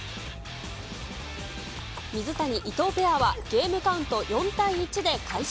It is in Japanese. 水谷・伊藤ペアはゲームカウント４対１で快勝。